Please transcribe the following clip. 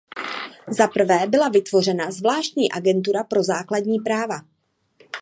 Zaprvé byla vytvořena zvláštní Agentura pro základní práva.